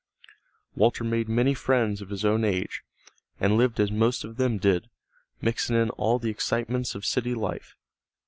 Walter made many friends of his own age, and lived as most of them did, mixing in all the excitements of city life.